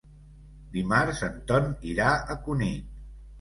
Dimarts en Ton irà a Cunit.